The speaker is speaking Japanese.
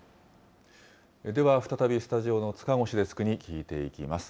では、再びスタジオの塚越デスクに聞いていきます。